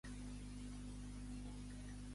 El seu epitafi fou conservat per Diògenes Laerci.